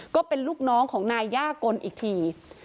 ก็เป็นลูกน้องของนายย่ากลอีกที